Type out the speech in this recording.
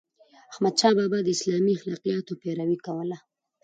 احمدشاه بابا د اسلامي اخلاقياتو پیروي کوله.